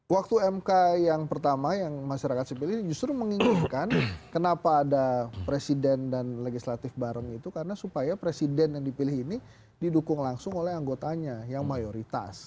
waktu mk yang pertama yang masyarakat sipil ini justru menginginkan kenapa ada presiden dan legislatif bareng itu karena supaya presiden yang dipilih ini didukung langsung oleh anggotanya yang mayoritas